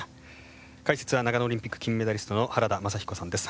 解説は長野オリンピック金メダリストの原田雅彦さんです。